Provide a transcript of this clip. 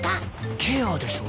ケアでしょ。